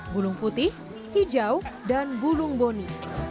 bulung putih hijau dan bulung boni